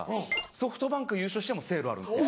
ソフトバンク優勝してもセールあるんですよ。